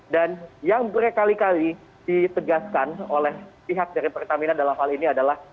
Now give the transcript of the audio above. dan yang berkali kali ditegaskan oleh pihak dari pertamina dalam hal ini adalah